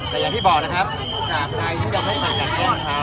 แต่อย่างที่บอกนะครับหากใครที่จะไม่ผ่านการแก้นเท้า